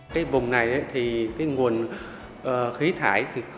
cái vùng này thì cái nguồn khí thải